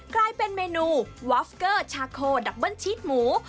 กลายเป็นเมนูวอฟเกอร์ชาโคดับเบิ้ลชีสหมู